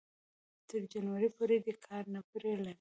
تر جنوري پورې دې کار نه پرې لري